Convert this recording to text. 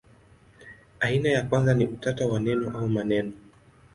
Aina ya kwanza ni utata wa neno au maneno.